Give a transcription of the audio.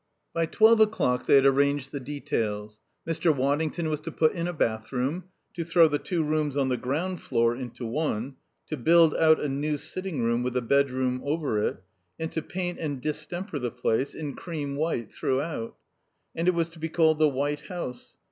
By twelve o'clock they had arranged the details; Mr. Waddington was to put in a bathroom; to throw the two rooms on the ground floor into one; to build out a new sitting room with a bedroom over it; and to paint and distemper the place, in cream white, throughout. And it was to be called the White House.